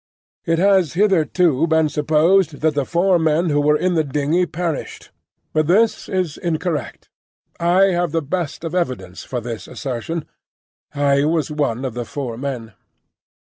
It has hitherto been supposed that the four men who were in the dingey perished, but this is incorrect. I have the best of evidence for this assertion: I was one of the four men.